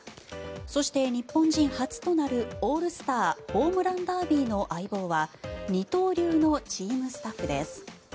そして、日本人初となるオールスターホームランダービーの相棒は二刀流のチームスタッフです。